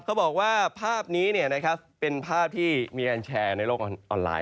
เขาบอกว่าภาพนี้เป็นภาพที่มีการแชร์ในโลกออนไลน